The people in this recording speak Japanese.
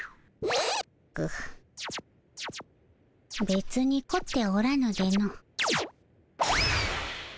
べつにこっておらぬでの。